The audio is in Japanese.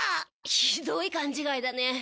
ひどい勘違いだね。